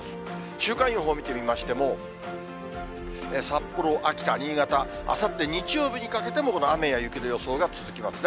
週間予報を見てみましても、札幌、秋田、新潟、あさって日曜日にかけても、この雨や雪の予想が続きますね。